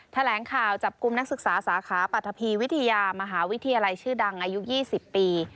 แถลงข่าวจับกลุ่มนักศึกษาสาขาปรัฐภีวิทยามหาวิทยาลัยชื่อดังอายุ๒๐ปี